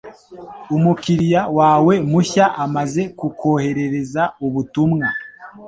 Umukiriya wawe mushya amaze kukwoherereza ubutumwa.